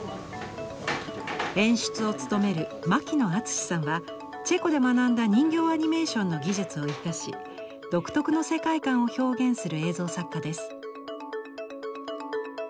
演出を務める牧野惇さんはチェコで学んだ人形アニメーションの技術を生かし独特の世界観を表現する映像作家です。